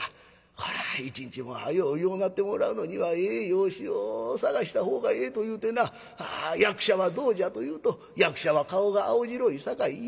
こら一日も早う良うなってもらうのにはええ養子を探したほうがええというてな役者はどうじゃと言うと『役者は顔が青白いさかい嫌』。